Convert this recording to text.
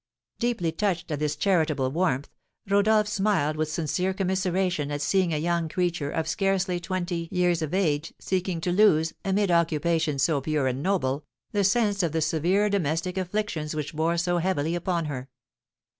Deeply touched at this charitable warmth, Rodolph smiled with sincere commiseration at seeing a young creature of scarcely twenty years of age, seeking to lose, amid occupations so pure and noble, the sense of the severe domestic afflictions which bore so heavily upon her.